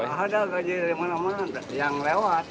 gak ada gaji dari mana mana yang lewat